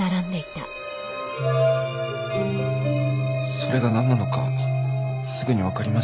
それがなんなのかすぐにわかりました。